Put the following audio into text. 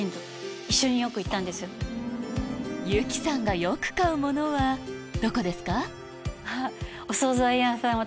由貴さんがよく買うものはどこですか？